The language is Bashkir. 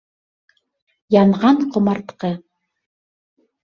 Янған ҡомартҡы.